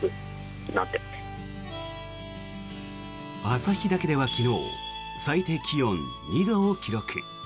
旭岳では昨日最低気温２度を記録。